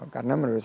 karena menurut saya